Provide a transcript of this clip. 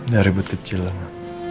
dari but kecil ma